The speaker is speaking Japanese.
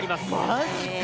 マジか。